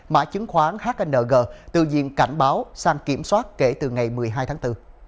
mã chứng khoán hng từ diện cảnh báo sang kiểm soát kể từ ngày một mươi hai tháng bốn